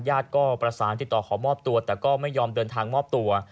ญาติก็ประสานติดต่อขอมอบตัวแต่ก็ไม่ยอมเดินทางมอบตัว